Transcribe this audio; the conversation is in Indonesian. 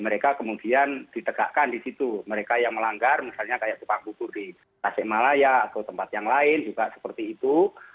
mereka kemudian ditegakkan di situ mereka yang melanggar misalnya kayak tukang bubur di tasikmalaya atau tempat yang lain juga seperti itu